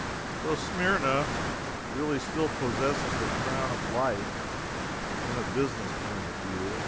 So Smyrna really still possesses her crown of life, in a business point of view.